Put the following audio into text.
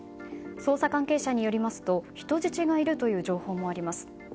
捜査関係者によりますと人質がいるという情報もあります。